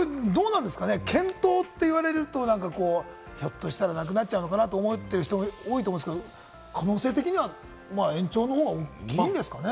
検討って言われると、ひょっとしたらなくなっちゃうのかなと思っている人も多いと思うんですけれども、可能性的には延長の方が大きいんですかね？